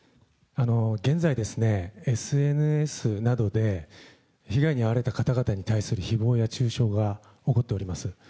現在ですね、ＳＮＳなどで被害に遭われた方々に対するひぼうや中傷が起こっております。